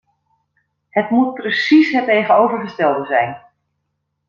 Het moet precies het tegenovergestelde zijn.